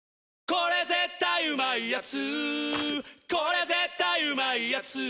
これ絶対うまいやつ」